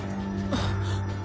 あっ！